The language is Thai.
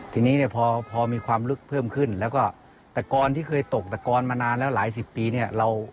ทีนี้เนี่ยพอมีความลึกเพิ่มขึ้นแล้วก็ตะกอนที่เคยตกตะกอนมานานแล้วหลายสิบปีเนี่ย